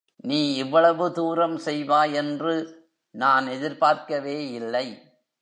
நீ இவ்வளவு தூரம் செய்வாயென்று நான் எதிர்பார்க்கவே இல்லை.